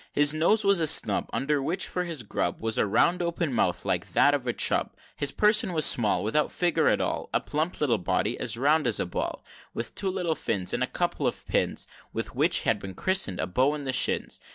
His nose was a snub; Under which, for his grub, Was a round open mouth like to that of a chub. XXII. His person was small, Without figure at all, A plump little body as round as a ball: With two little fins, And a couple of pins, With what has been christened a bow in the shins.